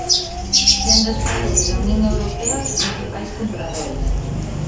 Sendo os países da Unión Europea os principais compradores.